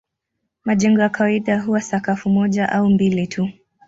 Majengo ya kawaida huwa sakafu moja au mbili tu.